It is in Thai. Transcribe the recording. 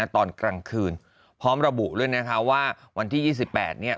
ตอนกลางคืนพร้อมระบุว่าวันที่๒๘